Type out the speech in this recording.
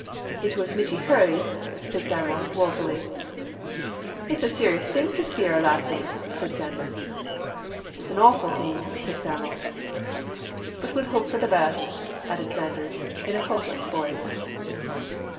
"It was michty hurried," said Sam'l, wofully. "It's a serious thing to spier a lassie," said Sanders. "It's an awfu' thing," said Sam'l. "But we'll hope for the best," added Sanders, in a hopeless, voice.